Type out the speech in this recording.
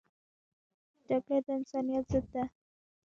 جګړه د انسانیت ضد ده